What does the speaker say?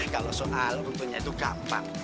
kalau soal tentunya itu gampang